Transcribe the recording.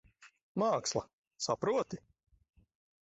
Māksla. Saproti?